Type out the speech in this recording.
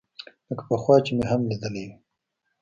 لکه پخوا چې مې هم ليدلى وي.